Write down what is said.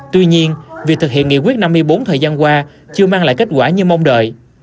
tuy nhiên việc thực hiện nghị quyết năm mươi bốn thời gian qua chưa mang lại kết quả như mong đợi